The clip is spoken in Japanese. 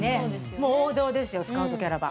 もう王道ですよスカウトキャラバン。